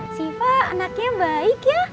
siva anaknya baik ya